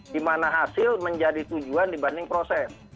di mana hasil menjadi tujuan dibanding proses